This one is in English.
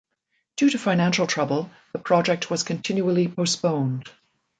Due to financial trouble, the project was continually postponed.